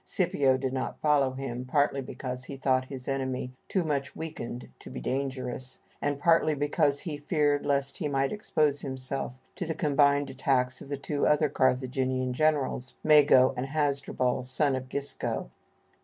Scipio did not follow him, partly because he thought his enemy too much weakened to be dangerous, and partly because he feared lest he might expose himself to the combined attacks of the two other Carthaginian generals, Mago, and Hasdrubal, son of Gisco.